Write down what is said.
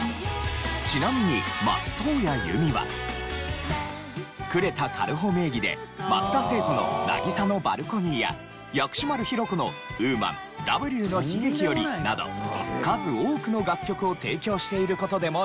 ちなみに松任谷由実は呉田軽穂名義で松田聖子の『渚のバルコニー』や薬師丸ひろ子の『Ｗｏｍａｎ“Ｗの悲劇”より』など数多くの楽曲を提供している事でも有名。